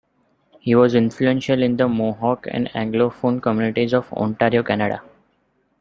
He was influential in the Mohawk and Anglophone communities of Ontario, Canada.